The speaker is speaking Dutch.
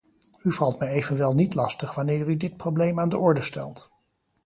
U valt mij evenwel niet lastig wanneer u dit probleem aan de orde stelt.